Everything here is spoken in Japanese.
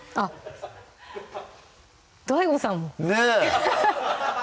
ＤＡＩＧＯさんもねっ！